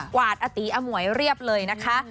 วาดอตีอมวยเรียบเลยนะคะ